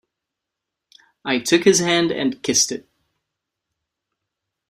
I took his hand and kissed it.